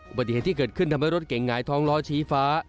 ปฏิเหตุที่เกิดขึ้นทำให้รถเก่งหงายท้องล้อชี้ฟ้า